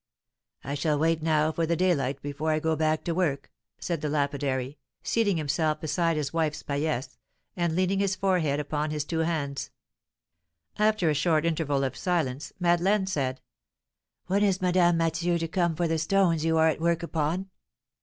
"I shall wait now for the daylight before I go back to work," said the lapidary, seating himself beside his wife's paillasse, and leaning his forehead upon his two hands. After a short interval of silence, Madeleine said: "When is Madame Mathieu to come for the stones you are at work upon?"